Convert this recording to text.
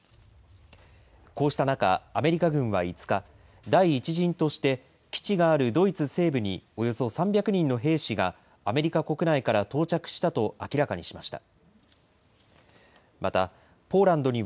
こうした中、アメリカ軍は５日、第１陣として基地があるドイツ西部に、およそ３００人の兵士がアメリカ国内から到着したと明らかにしま